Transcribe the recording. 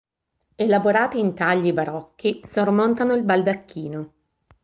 Elaborati intagli barocchi sormontano il baldacchino.